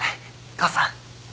母さん。